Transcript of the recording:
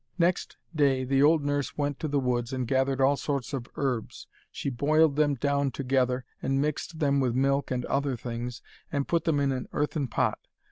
Next day the old nurse went to the woods and gathered all sorts of herbs. She boiled them down together, and mixed them with milk and other things, and put them in an earthen pot.